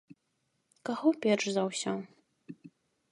Каго перш за ўсё?